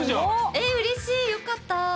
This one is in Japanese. えうれしいよかった！